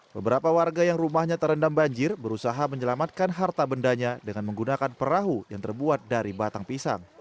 beberapa warga yang rumahnya terendam banjir berusaha menyelamatkan harta bendanya dengan menggunakan perahu yang terbuat dari batang pisang